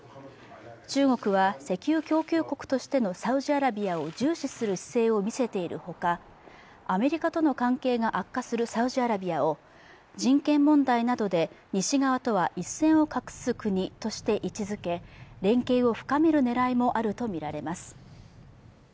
中国は石油供給国としてのサウジアラビアを重視する姿勢を見せているほかアメリカとの関係が悪化するサウジアラビアを人権問題などで西側とは一線を画す国として位置づけ連携を深めるねらいもあると見られます